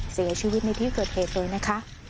เสียชีวิตในที่เกิดเหตุเลยนะคะ